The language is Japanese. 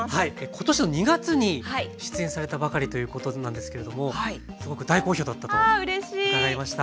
今年の２月に出演されたばかりということなんですけれどもすごく大好評だったと伺いました。